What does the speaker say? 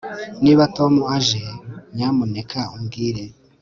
Niba Tom aje nyamuneka umbwire